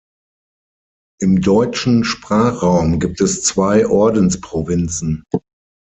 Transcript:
Im deutschen Sprachraum gibt es zwei Ordensprovinzen.